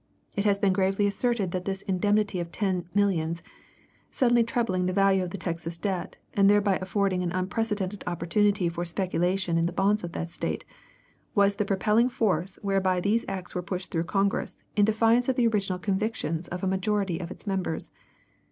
It has been gravely asserted that this indemnity of ten millions, suddenly trebling the value of the Texas debt, and thereby affording an unprecedented opportunity for speculation in the bonds of that State, was "the propelling force whereby these acts were pushed through Congress in defiance of the original convictions of a majority of its members."